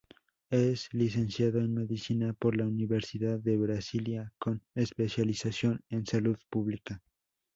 Es licenciado en medicina por la Universidad de Brasilia, con especialización en salud pública.